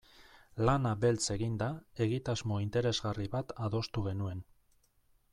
Lana beltz eginda, egitasmo interesgarri bat adostu genuen.